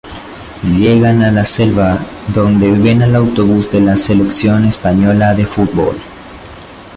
Llegan a la selva, donde ven al autobús de la selección española de fútbol.